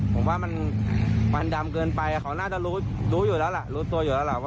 คุณสายฟ้าบทสายของเขาก็ได้รับความเสียหายครับ